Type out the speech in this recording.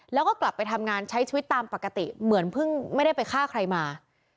แล้วก็กลับไปทำงานใช้ชีวิตตามปกติเหมือนเพิ่งไม่ได้ไปฆ่าใครมา